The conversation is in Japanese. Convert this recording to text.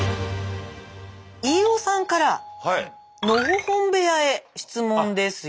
飯尾さんからのほほん部屋へ質問ですよ。